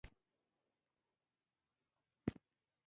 د دغه بازار د کنترول جادو د علم او معرفت په لاس کې دی.